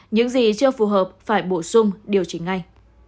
những gì chưa phù hợp phải bổ sung điều chỉnh ngay